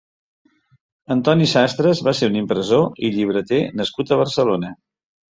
Antoni Sastres va ser un impressor i llibreter nascut a Barcelona.